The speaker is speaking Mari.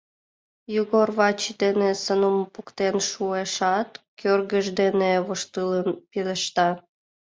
Йогор Вачи ден Санум поктен шуэшат, кӧргыж дене воштылын пелешта: